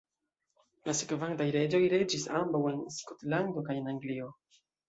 La sekvantaj reĝoj reĝis ambaŭ en Skotlando kaj en Anglio.